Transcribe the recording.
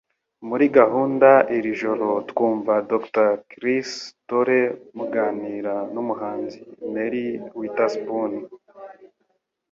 Muri gahunda iri joro twumva Dr Chris Toole muganira numuhanzi Mary Witherspoon